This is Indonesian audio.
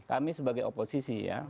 kami sebagai oposisi ya